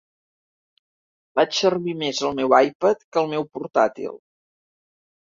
Faig servir més el meu iPad que el meu portàtil